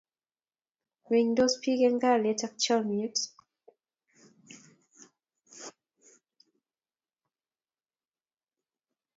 Mengtos bik eng kalyet ak chomyet